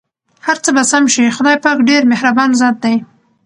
هرڅه به سم شې٬ خدای پاک ډېر مهربان ذات دی.